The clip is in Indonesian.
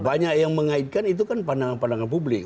banyak yang mengaitkan itu kan pandangan pandangan publik